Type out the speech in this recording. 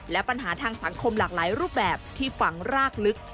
และปัญหาทางสังคมหลากหลายรูปแบบที่ฝังรากลึก